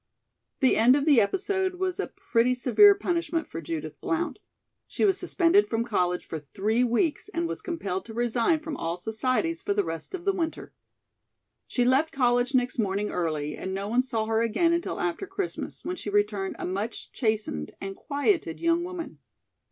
The end of the episode was a pretty severe punishment for Judith Blount. She was suspended from college for three weeks and was compelled to resign from all societies for the rest of the winter. She left college next morning early, and no one saw her again until after Christmas, when she returned a much chastened and quieted young woman.